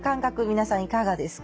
皆さんいかがですか？